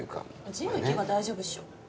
ジム行けば大丈夫っしょ。